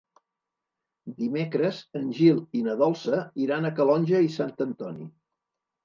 Dimecres en Gil i na Dolça iran a Calonge i Sant Antoni.